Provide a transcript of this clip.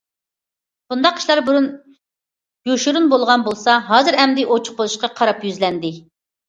بۇنداق ئىشلار بۇرۇن يوشۇرۇن بولغان بولسا، ھازىر ئەمدى ئوچۇق بولۇشقا قاراپ يۈزلەندى.